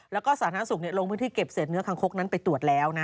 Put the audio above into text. แล้วก็สารทันสุกลงพื้นที่เก็บเนื้อคังคกไปตรวจแล้ว